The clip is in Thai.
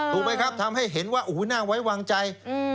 ถูกไหมครับทำให้เห็นว่าโอ้โหน่าไว้วางใจ